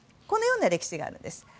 このような歴史があるんです。